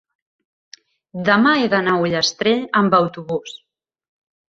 demà he d'anar a Ullastrell amb autobús.